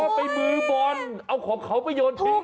ไปมือบอลเอาของเขาไปโยนทิ้ง